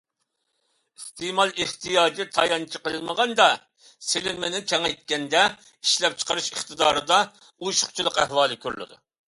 ئىستېمال ئېھتىياجى تايانچ قىلىنمىغاندا، سېلىنمىنى كېڭەيتكەندە ئىشلەپچىقىرىش ئىقتىدارىدا ئوشۇقچىلىق ئەھۋالى كۆرۈلىدۇ.